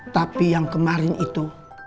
tapi yang kemarin itu